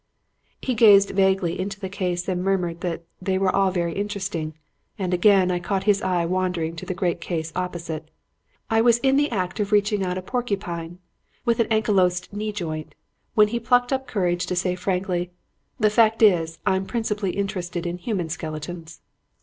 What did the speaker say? "He gazed vaguely into the case and murmured that 'they were all very interesting,' and again I caught his eye wandering to the great case opposite. I was in the act of reaching out a porcupine with an ankylosed knee joint, when he plucked up courage to say frankly, 'The fact is, I am principally interested in human skeletons.'